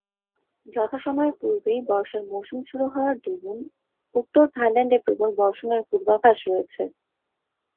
যথাসময়ের পূর্বেই বর্ষার মৌসুম শুরু হওয়ার দরুণ উত্তর থাইল্যান্ডে প্রবল বর্ষণের পূর্বাভাস রয়েছে।